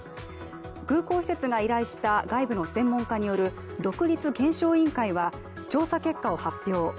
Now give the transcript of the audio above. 空港施設が依頼した外部の専門家による独立検証委員会は調査結果を発表。